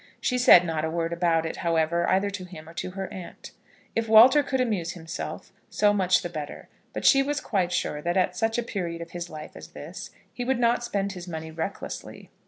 She said not a word about it, however, either to him or to her aunt. If Walter could amuse himself, so much the better; but she was quite sure that, at such a period of his life as this, he would not spend his money recklessly.